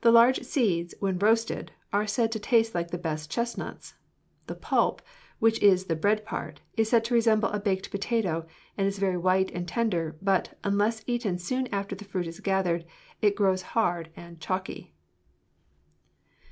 The large seeds, when roasted, are said to taste like the best chestnuts. The pulp, which is the bread part, is said to resemble a baked potato and is very white and tender, but, unless eaten soon after the fruit is gathered, it grows hard and choky."